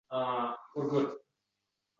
Yolgʼiz sen istisno